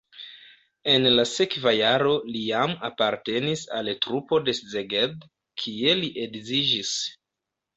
En la sekva jaro li jam apartenis al trupo de Szeged, kie li edziĝis.